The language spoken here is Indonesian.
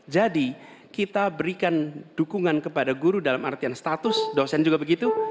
jadi kita berikan dukungan kepada guru dalam artian status dosen juga begitu